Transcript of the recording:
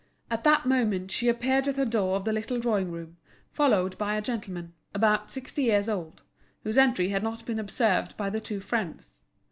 At that moment she appeared at the door of the little drawing room, followed by a gentleman, about sixty years' old, whose entry had not been observed by the two friends.